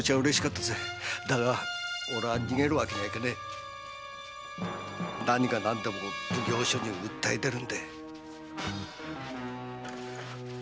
だが俺は逃げるわけにはいかねえ。何が何でも奉行所に訴え出る